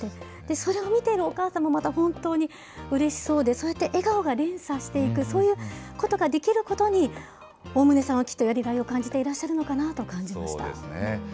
それを見てるお母さんもまた、本当にうれしそうで、そうやって笑顔が連鎖していく、そういうことができることに、大棟さんはきっとやりがいを感じていらっしゃるのかなと感じましそうですね。